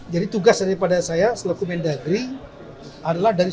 jadi tugas daripada saya selokumen daerah adalah dari seribu sembilan ratus dua puluh dua